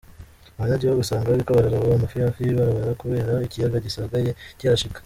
Abanyagihugu usanga bariko bararoba amafi hafi y'ibarabara kubera ikiyaga gisigaye kihashika.